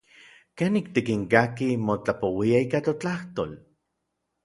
¿Kenik tikinkakij motlapouiaj ika totlajtol?